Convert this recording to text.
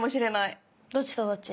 どっちとどっち？